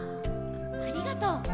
ありがとう。